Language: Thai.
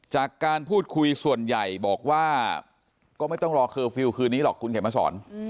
จากการพูดคุยส่วนใหญ่บอกว่าก็ไม่ต้องรอเคอร์ฟิลล์คืนนี้หรอกคุณเข็มมาสอน